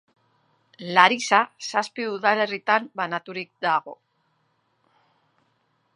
Larisa zazpi udalerritan banaturik dago.